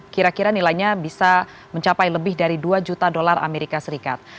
kira kira nilainya bisa mencapai lebih dari dua juta dolar amerika serikat